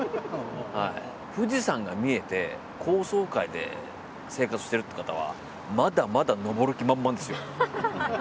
富士山が見えて高層階で生活してるという方はまだまだ上る気満々ですよ。